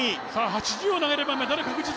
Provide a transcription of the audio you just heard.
８０を投げればメダル確実！